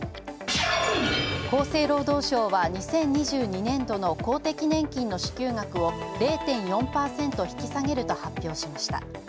厚生労働省は、２０２２年度の公的年金の支給額を０．４％引き下げると発表しました。